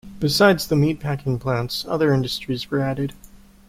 Besides the meat-packing plants, other industries were added.